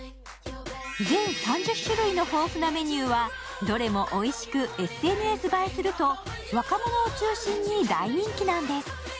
全３０種類の豊富なメニューはどれもおいしく、ＳＮＳ映えすると若者を中心に大人気なんです。